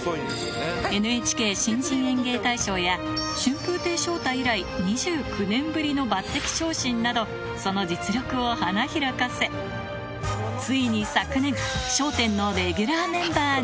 ＮＨＫ新人演芸大賞や、春風亭昇太以来、２９年ぶりの抜てき昇進など、その実力を花開かせ、ついに昨年、笑点のレギュラーメンバーに。